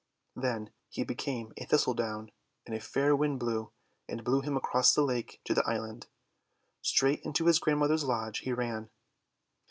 Then he became a Thistledown, and a fair Wind blew, and blew him across the lake to the island. Straight into his grandmother's lodge he ran.